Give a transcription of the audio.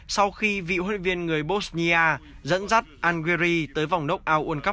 sau khi vị huấn luyện viên người bosnia dẫn dắt hungary tới vòng knockout world cup hai nghìn một mươi bốn